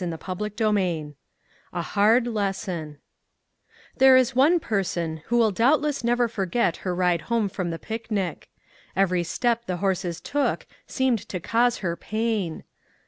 246 CHAPTER XVI A HARD LESSON THERE is one person who will doubt less never forget her ride home from the picnic. Every step the horses took seemed to cause her pain.